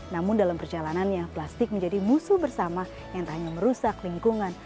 namun dalam perjalanannya plastik menjadi musuh bersama yang tak hanya merusak lingkungan